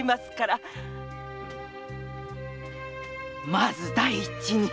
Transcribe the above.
まず第一に。